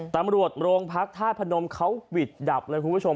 ตำรวจโรงพักธาตุพนมเขาหวิดดับเลยคุณผู้ชม